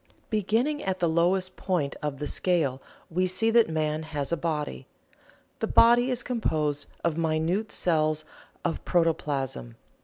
Beginning at the lowest point of the scale we see that man has a body. The body is composed of minute cells of protoplasm.